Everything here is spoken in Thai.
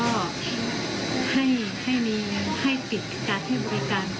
ให้มีเงินให้ติดการเทียบไปกัน